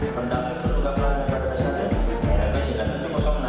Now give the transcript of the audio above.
pendamping pertukar pelan pelan pada dasarnya